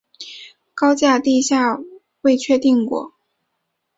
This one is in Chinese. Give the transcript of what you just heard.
高架地下未确定过。